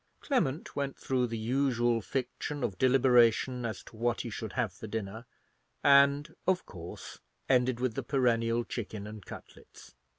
Clement went through the usual fiction of deliberation as to what he should have for dinner, and of course ended with the perennial chicken and cutlets.